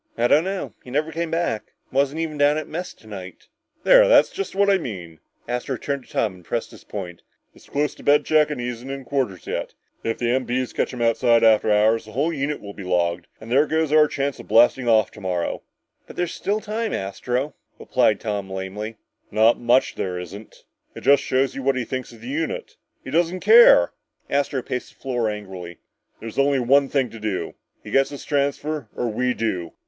"I don't know. He never came back. Wasn't even down at mess tonight." "There, that's just what I mean!" Astro turned to Tom to press his point. "It's close to bed check and he isn't in quarters yet. If the MP's catch him outside after hours, the whole unit will be logged and there goes our chance of blasting off tomorrow!" "But there's still time, Astro," replied Tom lamely. "Not much there isn't. It just shows you what he thinks of the unit! He just doesn't care!" Astro paced the floor angrily. "There's only one thing to do! He gets his transfer or we do!